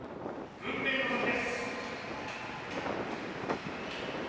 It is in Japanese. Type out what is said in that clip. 運命のときです。